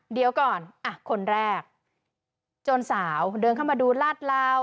เดี๋ยวก่อนอ่ะคนแรกโจรสาวเดินเข้ามาดูลาดลาว